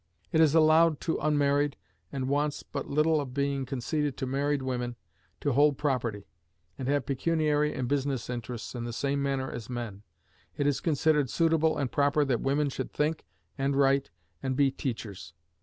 It is allowed to unmarried, and wants but little of being conceded to married women to hold property, and have pecuniary and business interests in the same manner as men. It is considered suitable and proper that women should think, and write, and be teachers.